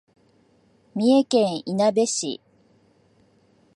三重県いなべ市